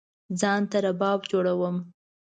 ځان ته رباب جوړوم